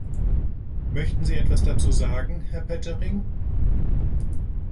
Möchten Sie etwas dazu sagen, Herr Pöttering?